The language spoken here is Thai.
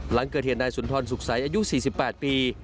หลังเกิดเหตุนายสุนทรสุขใสอายุ๔๘ปี